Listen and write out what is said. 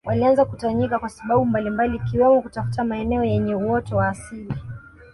Walianza kutawanyika kwa sababu mbalimbali ikiwemo kutafuta maeneo yenye uoto wa asili